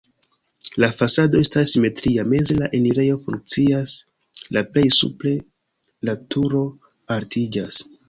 La fasado estas simetria, meze la enirejo funkcias, la plej supre la turo altiĝas.